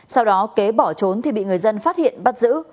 sau đó kế bỏ trốn thì bị người dân phát hiện bắt giữ